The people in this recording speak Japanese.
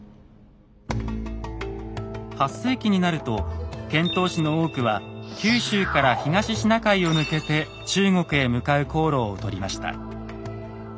８世紀になると遣唐使の多くは九州から東シナ海を抜けて中国へ向かう航路をとりました。